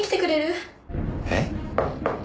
えっ？